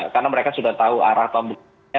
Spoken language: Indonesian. karena mereka sudah tahu arah pembuktiannya